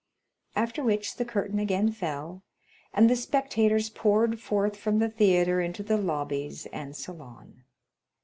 After which the curtain again fell, and the spectators poured forth from the theatre into the lobbies and salon.